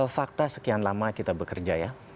fakta sekian lama kita bekerja ya